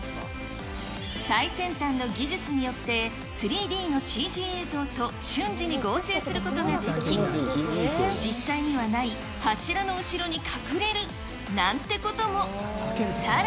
最先端の技術によって、３ＤのＣＧ映像と瞬時に合成することができ、実際にはない、柱の後ろに隠れるなんてことも。